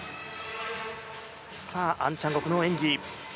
アンチャンゴクの演技。